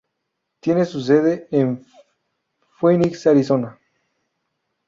Tiene su sede en Phoenix, Arizona.